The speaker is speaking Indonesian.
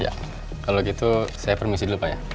ya kalau gitu saya permisi dulu pak ya